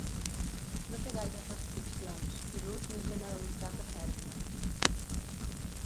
No té gaires restriccions, i l'ús n'és generalitzat a Sèrbia.